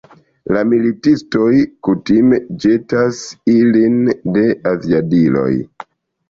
La militistoj kutime ĵetas ilin de aviadiloj.